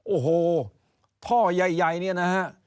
โอ้โหท่อใหญ่เนี่ยนะฮะ